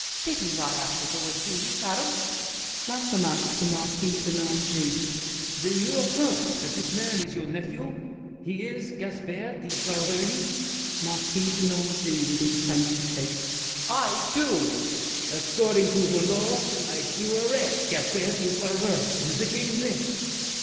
] Did he not ask if it was he, madame? LAFFEMAS (to Marquis de Nangis). Then you affirm that this man is your nephew? He is Gaspard de Saverny? MARQUIS DE NANGIS (with intensity). I do! LAFFEMAS. According to the law I do arrest Gaspard de Saverny, in the King's name.